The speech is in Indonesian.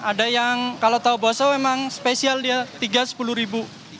ada yang kalau tahu baso emang spesial dia rp tiga sepuluh